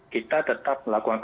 kita tetap melakukan